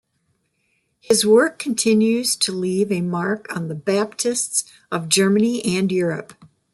His work continues to leave a mark on the Baptists of Germany and Europe.